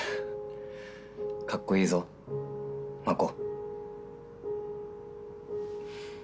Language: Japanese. かっこいいぞ真心。